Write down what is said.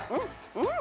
うん！